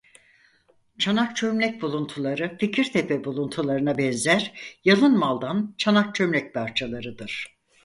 Çanak çömlek buluntuları Fikirtepe buluntularına benzer yalın maldan çanak çömlek parçalarıdır.